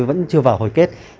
vẫn chưa vào hồi kết